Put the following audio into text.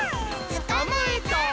「つかまえた！」